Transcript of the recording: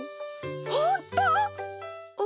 ほんとう！？